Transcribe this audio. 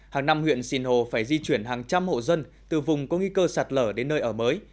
hàng năm huyện sinh hồ phải di chuyển hàng trăm hộ dân từ vùng có nghi cơ sạt lở đến nơi ở mới